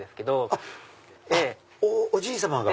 あっおじいさまが。